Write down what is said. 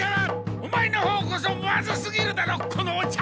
オマエのほうこそまずすぎるだろこのお茶！